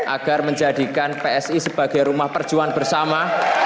agar menjadikan psi sebagai rumah perjuangan bersama